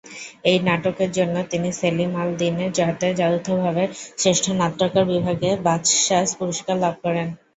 এই নাটকের জন্য তিনি সেলিম আল দীনের সাথে যৌথভাবে শ্রেষ্ঠ নাট্যকার বিভাগে বাচসাস পুরস্কার লাভ করেন।